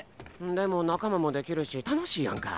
でも仲間もできるし楽しいやんか。